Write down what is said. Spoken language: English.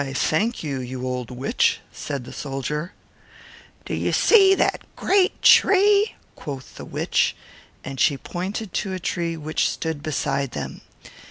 "Thank you, old witch," said the soldier. "Do you see that large tree," said the witch, pointing to a tree which stood beside them.